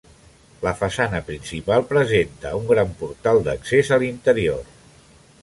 La façana principal presenta un gran portal d'accés a l'interior.